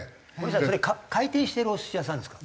それ回転してるお寿司屋さんですか？